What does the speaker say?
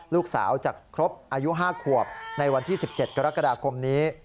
ลูกสาวจะครบอายุ๕ขวบในวันที่๑๗กรกฎาคมนี้